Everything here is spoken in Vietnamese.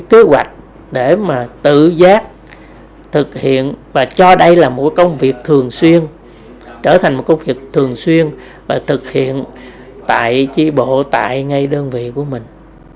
kế hoạch để mà tự giác thực hiện và cho đây là mỗi công việc thường xuyên trở thành một công việc thường xuyên và thực hiện tại chi bộ tại ngay đơn vị của mình